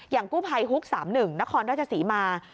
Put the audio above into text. อย่างกู้ภัยฮุกส์๓๑นครราชสีมา